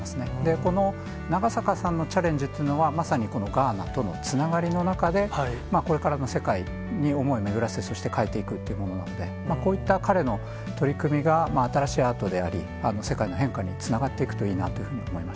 この長坂さんのチャレンジというのは、まさにこのガーナとのつながりの中で、これからの世界に思いを巡らせ、そして変えていくというものなので、こういった彼の取り組みが、新しいアートであり、そして世界の変化につながっていくといいなというふうに思いまし